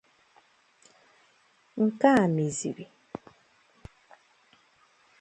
Nke a mezịrị